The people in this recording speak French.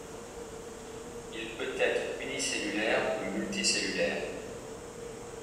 Il peut être unicellulaire ou multicellulaire.